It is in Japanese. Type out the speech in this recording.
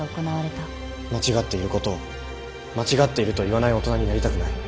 間違っていることを間違っていると言わない大人になりたくない。